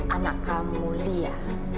anak kamu lya dan ranti